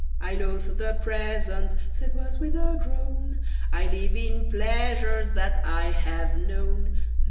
"I loathe the present," said Was, with a groan; "I live in pleasures that I have known."